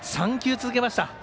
３球続けました。